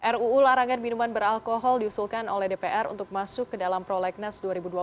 ruu larangan minuman beralkohol diusulkan oleh dpr untuk masuk ke dalam prolegnas dua ribu dua puluh